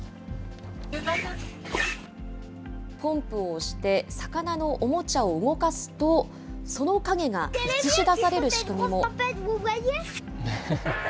ポンプを押して、魚のおもちゃを動かすと、その影が映し出される仕組みも。